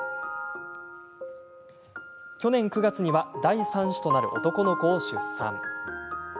去年９月には第三子となる男の子を出産。